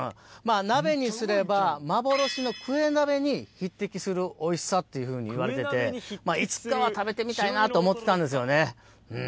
匹敵するおいしさっていうふうにいわれてていつかは食べてみたいなと思ってたんですよね。